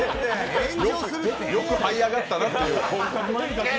よくはい上がったなっていう。